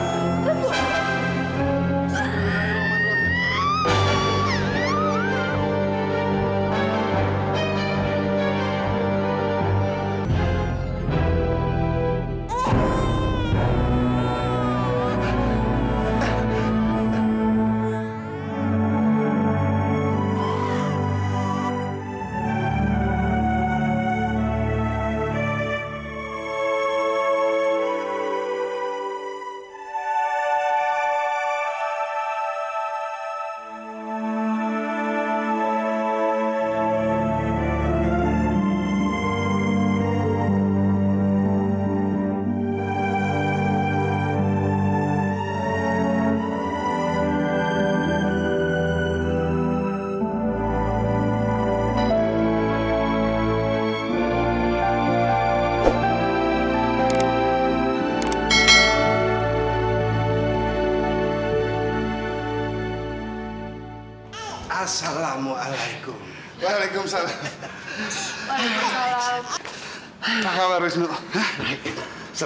mas apa tidak cukup